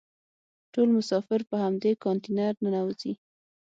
ټول مسافر په همدې کانتینر ننوزي.